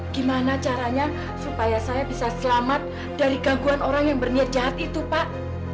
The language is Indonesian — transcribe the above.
gimana caranya supaya saya bisa selamat dari gangguan orang yang berniat jahat itu pak